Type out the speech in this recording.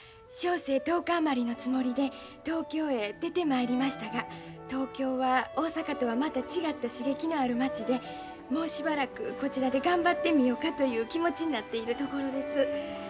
小生１０日あまりのつもりで東京へ出てまいりましたが東京は大阪とはまた違った刺激のある町でもうしばらくこちらで頑張ってみようかという気持ちになっているところです。